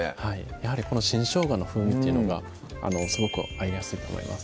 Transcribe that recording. やはりこの新しょうがの風味っていうのがすごく合いやすいと思います